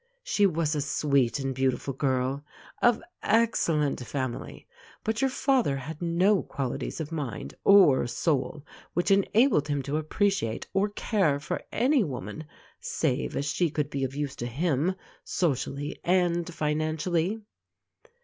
She was a sweet and beautiful girl, of excellent family, but your father had no qualities of mind or soul which enabled him to appreciate or care for any woman, save as she could be of use to him, socially and financially.